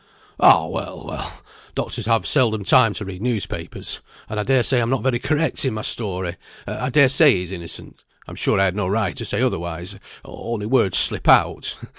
"Ah, well, well! doctors have seldom time to read newspapers, and I dare say I'm not very correct in my story. I dare say he's innocent; I'm sure I had no right to say otherwise, only words slip out.